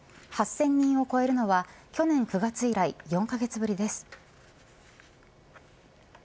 ８０００人を超えるのは去年９月以来、４カ月ぶりです。